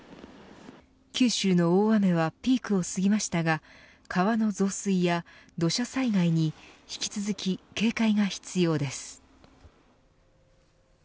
九州の大雨はピークを過ぎましたが川の増水や土砂災害に、引き続き警戒が必要です。